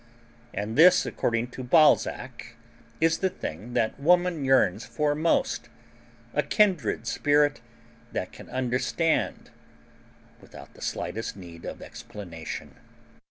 And this, according to Balzac, is the thing that woman yearns for most a kindred spirit that can understand without the slightest need of explanation.